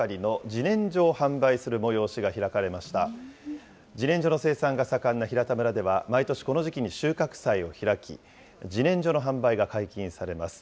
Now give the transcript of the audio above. じねんじょの生産が盛んな平田村では、毎年この時期に収穫祭を開き、じねんじょの販売が解禁されます。